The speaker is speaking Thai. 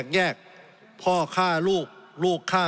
สงบจนจะตายหมดแล้วครับ